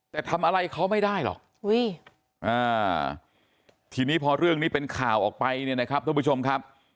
แต่ทำอะไรเขาไม่ได้หรอกทีนี้พอเรื่องนี้เป็นข่าวออกไปเนี่ยนะครับท่านผู้ชมครับ